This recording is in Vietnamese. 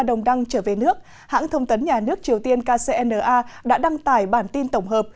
đồng đăng trở về nước hãng thông tấn nhà nước triều tiên kcna đã đăng tải bản tin tổng hợp